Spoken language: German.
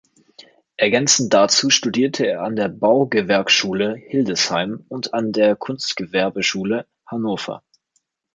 Ergänzend dazu studierte er an der "Baugewerkschule Hildesheim" und an der Kunstgewerbeschule Hannover.